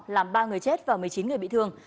làm ba người chết và một mươi chín người bị thương